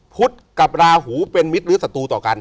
พุทธกับราหูเป็นมิตรหรือศัตรูต่อกัน